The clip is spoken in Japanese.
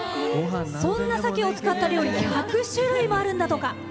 そんな鮭を使った料理１００種類もあるんだとか。